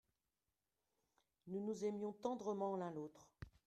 Nous nous aimions tendrement l'un l'autre.